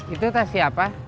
itu tas siapa